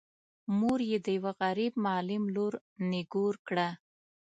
مور یې د یوه غريب معلم لور نږور کړه.